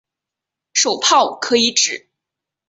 手炮可以指